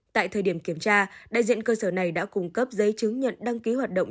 tại thời điểm kiểm tra đại diện cơ sở này đã cung cấp giấy chứng nhận đăng ký hoạt động